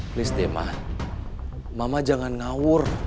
please deh ma mama jangan ngawur